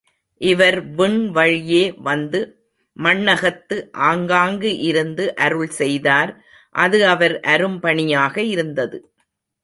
இவர் விண்வழியே வந்து மண்ணகத்து ஆங்காங்கு இருந்து அருள் செய்தார் அது அவர் அரும்பணியாக இருந்தது.